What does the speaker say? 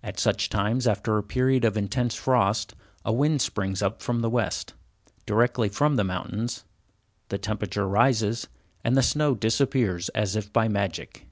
At such times, after a period of intense frost, a wind springs up from the west, directly from the mountains, the temperature rises, and the snow disappears as if by magic.